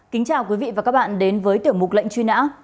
kính chào quý vị và các bạn đến với tiểu mục lệnh truy nã